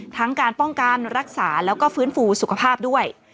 การป้องกันรักษาแล้วก็ฟื้นฟูสุขภาพด้วย